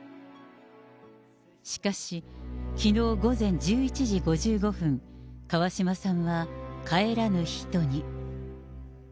しかし、きのう午前１１時５５分、川嶋さんは帰らぬ人に。